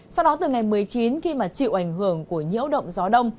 sau đó từ ngày một mươi chín khi mà chịu ảnh hưởng của nhiễu động gió đông